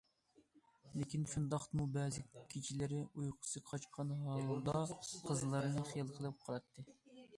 لېكىن شۇنداقتىمۇ بەزى كېچىلىرى ئۇيقۇسى قاچقان ھالدا قىزلارنى خىيال قىلىپ قالاتتى.